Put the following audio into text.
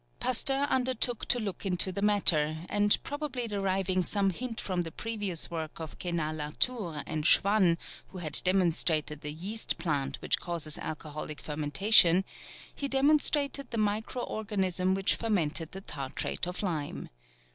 Pasteur undertook to look into the matter, and probably deriving some hint from the previous work of Cagniard Latour, and Schwann who had demonstrated the yeast plant which causes alcoholic fermentation, he demonstrated the micro organism which fermented the tartrate of lime.